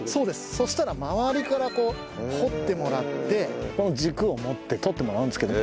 そしたら周りからこう掘ってもらってこの軸を持って採ってもらうんですけど。